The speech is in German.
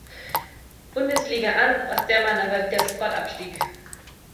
Bundesliga an, aus der man aber wieder sofort abstieg.